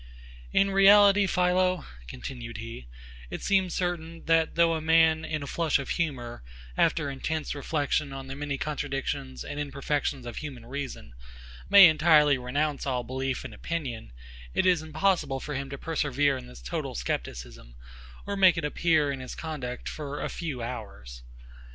In reality, PHILO, continued he, it seems certain, that though a man, in a flush of humour, after intense reflection on the many contradictions and imperfections of human reason, may entirely renounce all belief and opinion, it is impossible for him to persevere in this total scepticism, or make it appear in his conduct for a few hours.